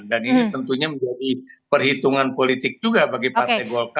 dan ini tentunya menjadi perhitungan politik juga bagi partai golkar